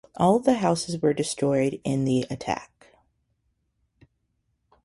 All of the houses were destroyed in the attack.